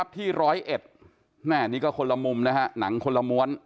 ที่๑๐๑นี่ก็คนละมุมนะครับหนังคนละม้วน